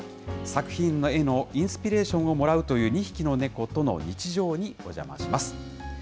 作品へのインスピレーションをもらうという２匹の猫との日常にお邪魔します。